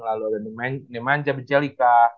lalu ada nemanja bejelika